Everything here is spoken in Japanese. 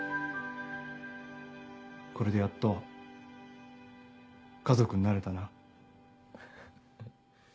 これでやっと家族になれたな。